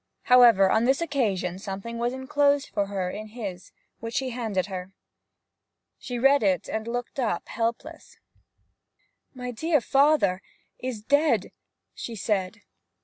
However, on this occasion something was enclosed for her in his, which he handed her. She read it and looked up helpless. 'My dear father is dead!' she said.